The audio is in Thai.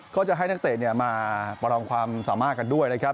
ก็จะให้นักเตะมาประลองความสามารถกันด้วยนะครับ